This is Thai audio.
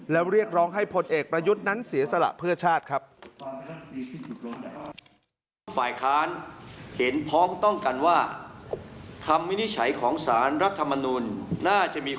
แล้วเรียกร้องให้พลเอกประยุทธ์นั้นเสียสละเพื่อชาติครับ